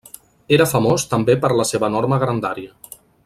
Era famós també per la seva enorme grandària.